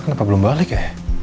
kenapa belum balik ya